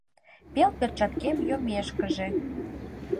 Пел перчаткем йоммешкыже